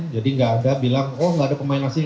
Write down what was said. jadi tidak ada yang bilang oh tidak ada pemain asing